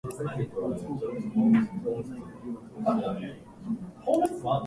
どんない可愛い人でも綺麗な人でもあなたには敵わない